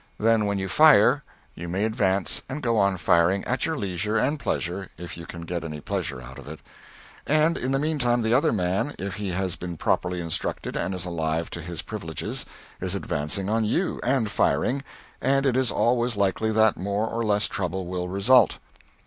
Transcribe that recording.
Then, when you fire, you may advance and go on firing at your leisure and pleasure, if you can get any pleasure out of it. And, in the meantime, the other man, if he has been properly instructed and is alive to his privileges, is advancing on you, and firing and it is always likely that more or less trouble will result.